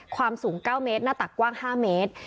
ความสูง๙เมตรหน้าตักกว้าง๕เมตร